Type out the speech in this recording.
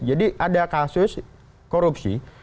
jadi ada kasus korupsi